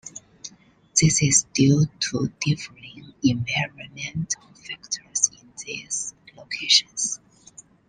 This is due to differing environmental factors in these locations.